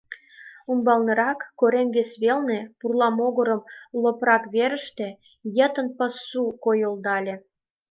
Умбалнырак, корем вес велне, пурла могырым лопрак верыште йытын пасу койылдале.